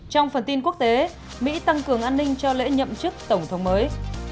trong phần tin quốc tế mỹ tăng cường an ninh cho lễ nhậm chức tổng thống mới